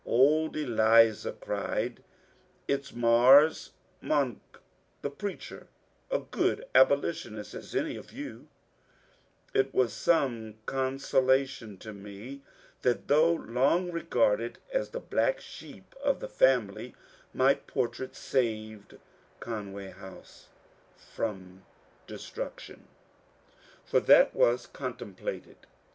Old Eliza cried, ^^ It 's mars* Mono the preacher, as good abolitionist as any of you I " It was some consolation to me that, though long regarded as the black sheep of the family, my portrait saved Conway House from destruction, for that was contemplated.